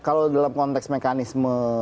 kalau dalam konteks mekanisme